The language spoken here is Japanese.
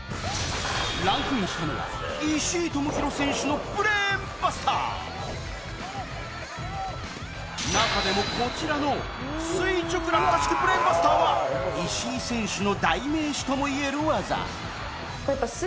ランクインしたのは石井智宏選手のブレーンバスター中でもこちらの垂直落下式ブレーンバスターは石井選手の代名詞ともいえる技